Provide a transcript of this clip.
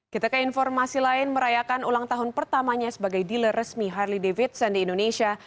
kita ke informasi lain merayakan ulang tahun pertamanya sebagai dealer resmi harley davidson di indonesia